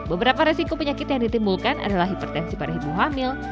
beberapa resiko penyakit yang ditimbulkan adalah hipertensi pada ibu hamil